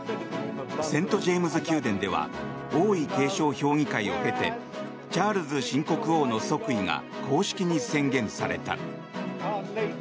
セント・ジェームズ宮殿では王位継承評議会を経てチャールズ新国王の即位が公式に宣言された。